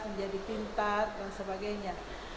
menjadi pintar dan sebagainya